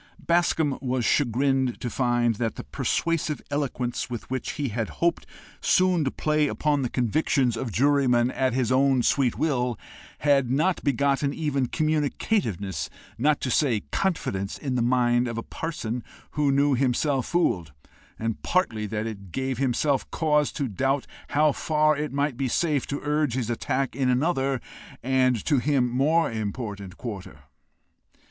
Bascombe was chagrined to find that the persuasive eloquence with which he hoped soon to play upon the convictions of jurymen at his own sweet will, had not begotten even communicativenes, not to say confidence, in the mind of a parson who knew himself fooled, and partly that it gave him cause to doubt how far it might be safe to urge his attack in another and to him more important quarter.